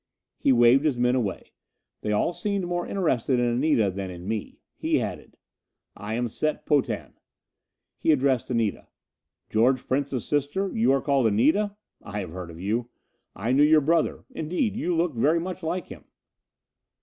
He waved his men away. They all seemed more interested in Anita than in me. He added: "I am Set Potan." He addressed Anita. "George Prince's sister? You are called Anita? I have heard of you. I knew your brother indeed, you look very much like him."